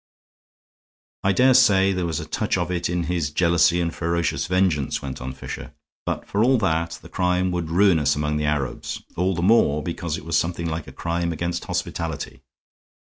"I dare say there was a touch of it in his jealousy and ferocious vengeance," went on Fisher. "But, for all that, the crime would ruin us among the Arabs, all the more because it was something like a crime against hospitality.